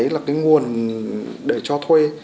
là cái nguồn để cho thuê